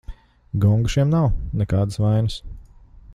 Gonga šiem nav, nekādas vainas.